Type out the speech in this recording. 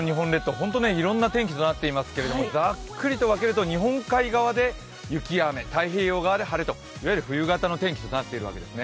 本当にいろんな天気となっていますけれども、ざっくりと分けると日本海側で雪や雨、太平洋側で晴れと冬型の天気となっているんですね。